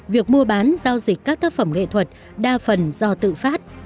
việc mua bán giao dịch các tác phẩm nghệ thuật đa phần do tự phát